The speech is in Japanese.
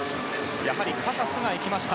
やはりカサスが行きました。